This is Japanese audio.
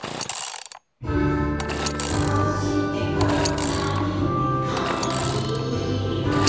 「どうしてこんなにかわいいの」